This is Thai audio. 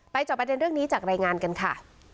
จอบประเด็นเรื่องนี้จากรายงานกันค่ะ